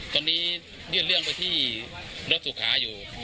ตอนนี้ยื่นเรื่องไปที่รถสุขาอยู่